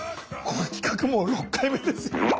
この企画もう６回目ですよ。